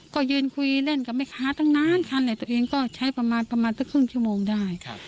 ก็ยืนคุยเล่นกับแม่ค้าตั้งนานทันแหละตัวเองก็ใช้ประมาณประมาณสักครึ่งชั่วโมงได้